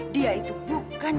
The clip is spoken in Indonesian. dia adalah fauzan